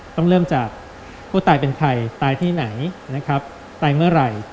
ต้องเริ่มจากผู้ตายเป็นใครตายที่ไหนตายเมื่อไหร่